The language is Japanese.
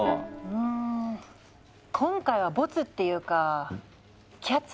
うん今回はボツっていうかキャッツね。